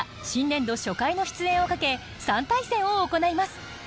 新年度初回の出演をかけ３対戦を行います。